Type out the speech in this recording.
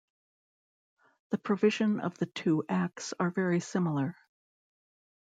The provisions of the two Acts are very similar.